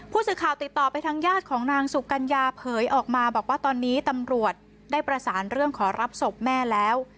ผู้สื่อข่าวติดต่อไปทางญาติของนางสุกัญญาเผยออกมาบอกว่าตอนนี้ตำรวจได้ประสานเรื่องขอรับศพแม่แล้ว